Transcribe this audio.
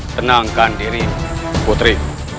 tenangkan diri putri